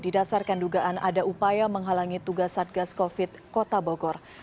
didasarkan dugaan ada upaya menghalangi tugas satgas covid kota bogor